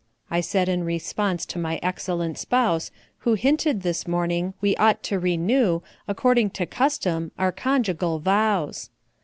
I said in response to my excellent spouse, Who hinted, this morning, we ought to renew According to custom, our conjugal vows.